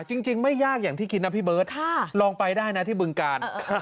จริงไม่ยากอย่างที่คิดนะพี่เบิร์ตลองไปได้นะที่บึงกาล